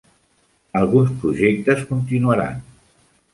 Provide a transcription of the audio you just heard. Alguns projectes continuaran.